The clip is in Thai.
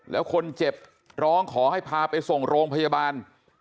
แล้วคนเจ็บร้องขอให้พาไปส่งโรงพยาบาล